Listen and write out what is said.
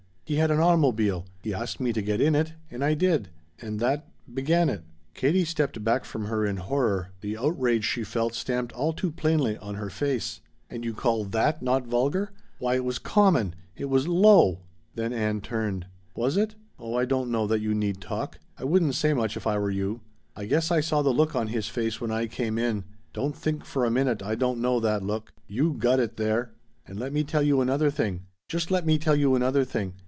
He had an automobile. He asked me to get in it and I did. And that began it." Katie stepped back from her in horror, the outrage she felt stamped all too plainly on her face. "And you call that not vulgar? Why it was common. It was low." Then Ann turned. "Was it? Oh I don't know that you need talk. I wouldn't say much if I were you. I guess I saw the look on his face when I came in. Don't think for a minute I don't know that look. You got it there. And let me tell you another thing. Just let me tell you another thing!